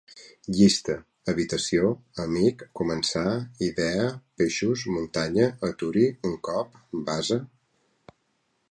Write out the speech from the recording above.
Llista: habitació, amic, començar, idea, peixos, muntanya, aturi, un cop, base